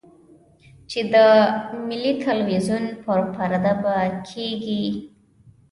چې د ملي ټلویزیون پر پرده به کېږي.